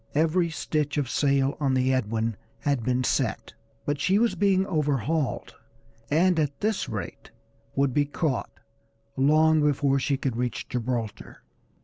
Every stitch of sail on the Edwin had been set, but she was being overhauled, and at this rate would be caught long before she could reach Gibraltar.